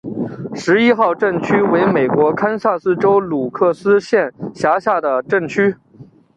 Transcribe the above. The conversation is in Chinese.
十一号镇区为美国堪萨斯州鲁克斯县辖下的镇区。